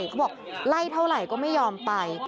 แล้วแว่วที่เธอไล่เท่าไรก็ไม่ยอมไป